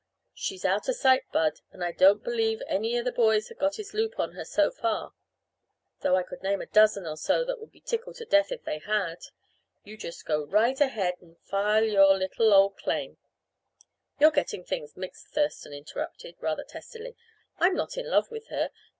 She's out uh sight, Bud and I don't believe any uh the boys has got his loop on her so far; though I could name a dozen or so that would be tickled to death if they had. You just go right ahead and file your little, old claim " "You're getting things mixed," Thurston interrupted, rather testily. "I'm not in love with her.